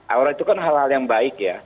aura itu kan hal hal yang baik ya